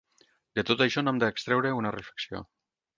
De tot això n’hem d’extreure una reflexió.